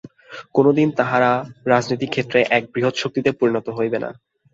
কোনদিন তাহারা রাজনীতির ক্ষেত্রে এক বৃহৎ শক্তিতে পরিণত হইবে না।